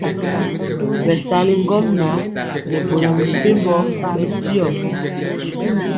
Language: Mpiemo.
Bɛsali ŋgomnaŋ nɛ boro mepempɔ bɛndiɔ.